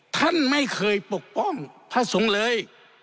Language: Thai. ท่านไม่เคยปกป้องพระสงฆ์เลย